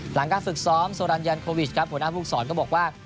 หลังการฝึกซ้อมโซรันยันโควิชครับหัวหน้าภูมิสอนก็บอกว่า